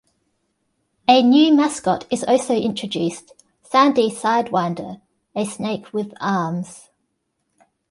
A new mascot is also introduced, Sandy Sidewinder, a snake with arms.